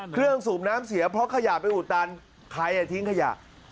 สูบน้ำเสียเพราะขยะไปอุดตันใครทิ้งขยะ